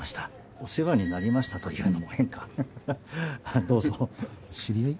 お世話になりましたというのも変かどうぞ知り合い？